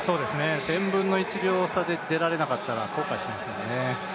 １０００分の１秒差で出られなかったら後悔しますからね。